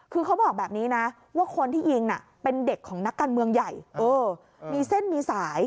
คือเขาบอกแบบนี้นะว่าคนที่ยิงน่ะเป็นเด็กของนักการเมืองใหญ่มีเส้นมีสาย